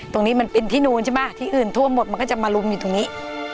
ตรงนี้มันเป็นที่นูนใช่ไหมที่อื่นท่วมหมดมันก็จะมาลุมอยู่ตรงนี้